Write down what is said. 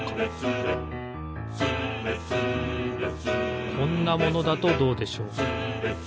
「スレスレ」こんなものだとどうでしょう？